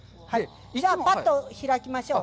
じゃあ、ぱっと開きましょう。